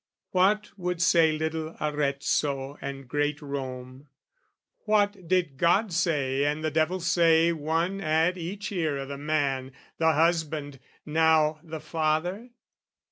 What would say little Arezzo and great Rome, And what did God say and the devil say One at each ear o' the man, the husband, now The father?